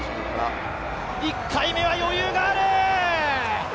１回目は余裕がある！